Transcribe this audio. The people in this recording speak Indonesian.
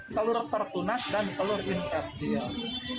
telur tertunas dan telur invertil